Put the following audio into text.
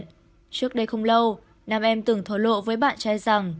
trước đây không lâu nam em từng thồi lộ với bạn trai rằng